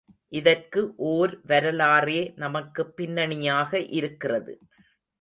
இதற்கு ஓர் வரலாறே நமக்குப் பின்னணியாக இருக்கிறது.